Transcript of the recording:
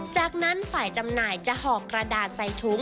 จากนั้นฝ่ายจำหน่ายจะห่อกระดาษใส่ถุง